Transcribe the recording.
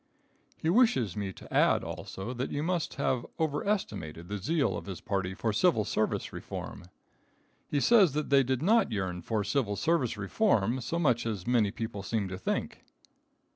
He wishes me to add, also, that you must have over estimated the zeal of his party for civil service reform. He says that they did not yearn for civil service reform so much as many people seem to think.